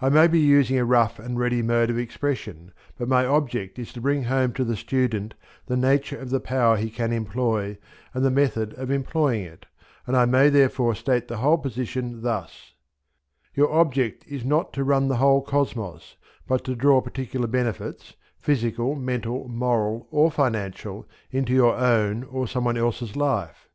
I may be using a rough and ready mode of expression, but my object is to bring home to the student the nature of the power he can employ and the method of employing it, and I may therefore state the whole position thus: Your object is not to run the whole cosmos, but to draw particular benefits, physical, mental, moral, or financial into your own or someone else's life.